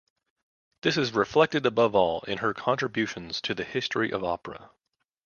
This is reflected above all in her contributions to the history of opera.